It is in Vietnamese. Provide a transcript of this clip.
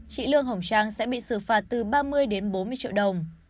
chị lương hồng trang sẽ bị xử phạt từ ba mươi đến bốn mươi triệu đồng